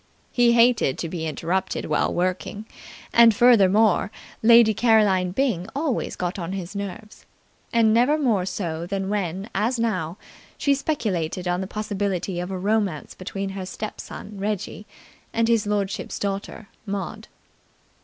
He hated to be interrupted while working, and, furthermore, Lady Caroline Byng always got on his nerves, and never more so than when, as now, she speculated on the possibility of a romance between her step son Reggie and his lordship's daughter Maud.